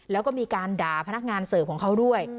แล้วก็มีการด่าพนักงานเสิร์ฟของเขาด้วย